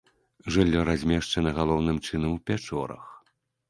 Жыллё размешчана галоўным чынам у пячорах.